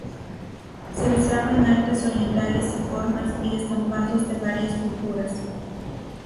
Se usaban artes orientales y formas y estampados de varias culturas.